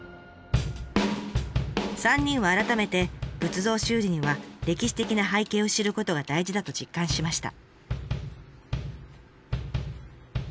３人は改めて仏像修理には歴史的な背景を知ることが大事だと実感しました。